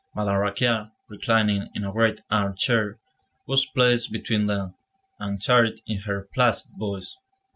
Madame Raquin, reclining in a great armchair, was placed between them, and chatted in her placid voice.